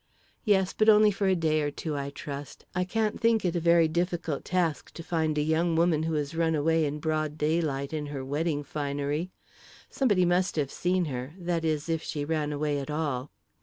"Yes; but only for a day or two, I trust. I can't think it a very difficult task to find a young woman who has run away in broad daylight in her wedding finery. Somebody must have seen her that is, if she ran away at all."